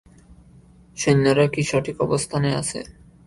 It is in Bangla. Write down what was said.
সৈন্যরা কি সঠিক অবস্থানে আছে?